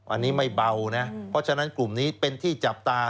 อันนี้ไม่เบานะเพราะฉะนั้นกลุ่มนี้เป็นที่จับตา